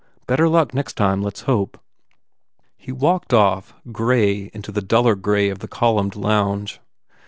Better luck next time, let s hope." He walked off, grey into the duller grey of the columned lounge.